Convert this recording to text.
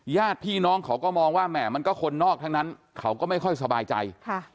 ญาติพี่น้องเขาก็มองว่าแหม่มันก็คนนอกทั้งนั้นเขาก็ไม่ค่อยสบายใจ